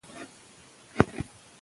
ماشومان په ټولګي کې درس وايي.